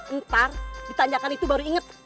ntar ditanyakan itu baru inget